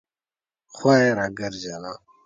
خوا یې راګرځېده.